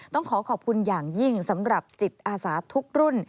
ต้องขอขอบคุณอย่างยิ่งสำหรับจิตอาสาทุกรุ่น